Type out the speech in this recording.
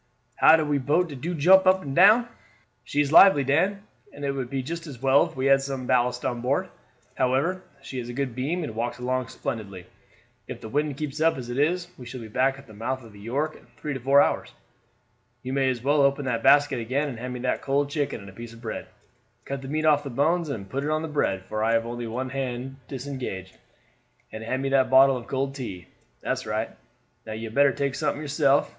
how de boat do jump up and down." "She is lively, Dan, and it would be just as well if we had some ballast on board; however, she has a good beam and walks along splendidly. If the wind keeps as it is, we shall be back at the mouth of the York in three or four hours. You may as well open that basket again and hand me that cold chicken and a piece of bread; cut the meat off the bones and put it on the bread, for I have only one hand disengaged; and hand me that bottle of cold tea. That's right. Now you had better take something yourself.